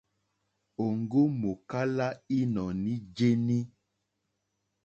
Òŋɡó mòkálá ínɔ̀ní jéní.